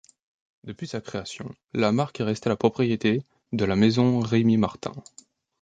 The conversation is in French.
Depuis sa création, la marque est restée la propriété de la Maison Rémy Martin.